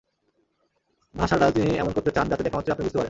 ভাষাটা তিনি এমন করতে চান, যাতে দেখামাত্রই আপনি বুঝতে পারেন।